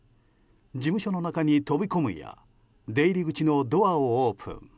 事務所の中に飛び込むや出入り口のドアをオープン。